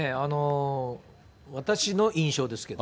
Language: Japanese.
私の印象ですけど。